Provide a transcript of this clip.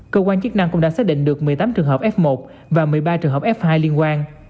cơ quan chức năng cũng đã xác định được một mươi tám trường hợp f một và một mươi ba trường hợp f hai liên quan